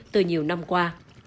từ nhiều năm qua